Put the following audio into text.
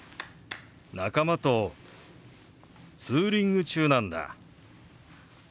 仲間とツーリング中なんだ。